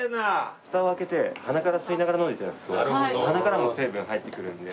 フタを開けて鼻から吸いながら飲んで頂くと鼻からも成分入ってくるので。